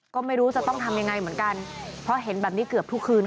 ก็ไม่รู้จะต้องทำยังไงเหมือนกันเพราะเห็นแบบนี้เกือบทุกคืน